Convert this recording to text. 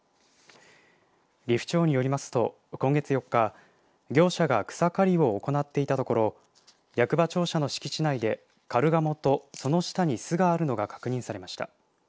利府町によりますと、今月４日業者が草刈りを行っていたところ役場庁舎の敷地内でカルガモとその下に巣があるのが確認されました。